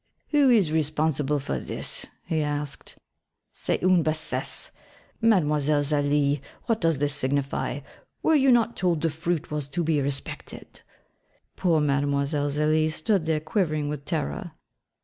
'Who is responsible for this?' he asked, 'c'est une bassesse! Mlle. Zélie, what does this signify? Were you not told the fruit was to be respected?' Poor Mlle. Zélie stood there quivering with terror.